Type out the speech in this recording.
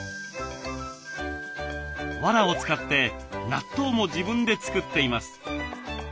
わらを使って納豆も自分で作っています。